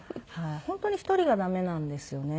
本当に１人が駄目なんですよね。